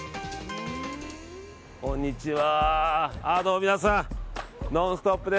こんにちは。